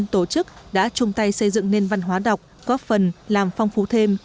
các tổ chức đã chung tay xây dựng nền văn hóa đọc có phần làm phong phú thêm